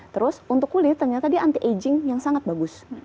terus untuk kulit ternyata dia anti aging yang sangat bagus